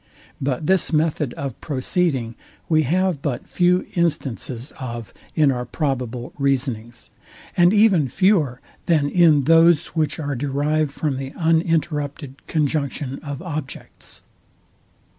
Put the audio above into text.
But this method of proceeding we have but few instances of in our probable reasonings; and even fewer than in those, which are derived from the uninterrupted conjunction of objects.